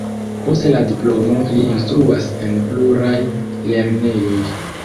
Post la diplomo li instruas en pluraj lernejoj.